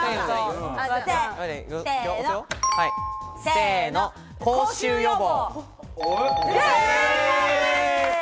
せの、口臭予防。